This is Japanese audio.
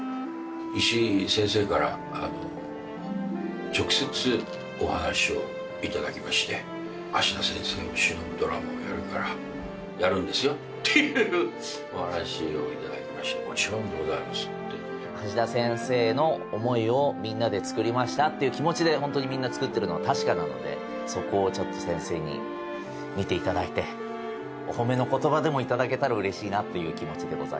石井先生から直接お話をいただきまして橋田先生を偲ぶドラマをやるからっていうお話をいただきましてもちろんでございますって橋田先生の思いをみんなで作りましたっていう気持ちでホントにみんな作ってるのは確かなのでそこをちょっと先生に見ていただいてお褒めの言葉でもいただけたら嬉しいなっていう気持ちです